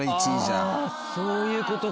あそういうことか。